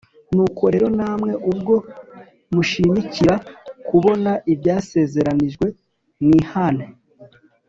Nuko rero namwe ubwo mushimikira kubona ibyasezeranijwe mwihane